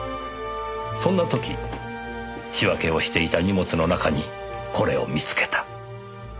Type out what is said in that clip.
そんな時仕分けをしていた荷物の中にこれを見つけた。